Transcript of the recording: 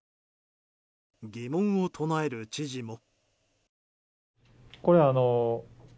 疑問を唱える知事も。